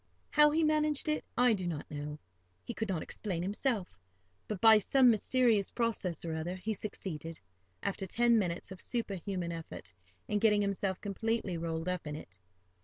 How he managed it I do not know, he could not explain himself; but by some mysterious process or other he succeeded, after ten minutes of superhuman effort, in getting himself completely rolled up in it.